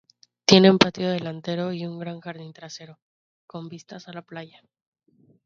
Tienen patio delantero y un gran jardín trasero, con vistas a la playa.